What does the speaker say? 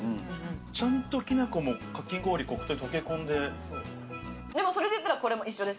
ちゃんと、きなこも、かき氷でも、それでいったらこれも一緒です。